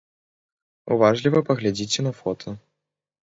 Уважліва паглядзіце на фота.